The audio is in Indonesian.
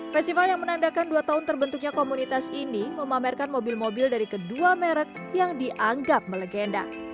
festival yang menandakan dua tahun terbentuknya komunitas ini memamerkan mobil mobil dari kedua merek yang dianggap melegenda